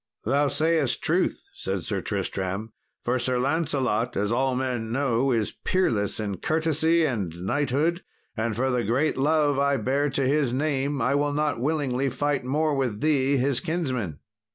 "Thou sayest truth," said Sir Tristram; "for Sir Lancelot, as all men know, is peerless in courtesy and knighthood, and for the great love I bear to his name I will not willingly fight more with thee his kinsman."